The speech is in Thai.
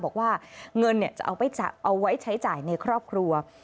บอกว่าเงินจะเอาไว้ใช้จ่ายในครอบครัว